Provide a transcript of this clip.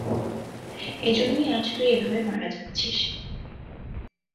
এজন্যই আজ তুই এভাবে মারা যাচ্ছিস!